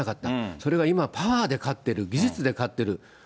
それが今、パワーで勝ってる、技術で勝ってる。